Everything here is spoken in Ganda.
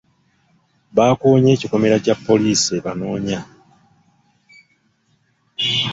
Baakoonye ekikomera kye poliisi ebanoonya.